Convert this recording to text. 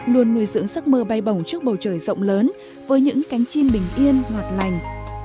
luôn nuôi dưỡng giấc mơ bay bổng trước bầu trời rộng lớn với những cánh chim bình yên ngọt lành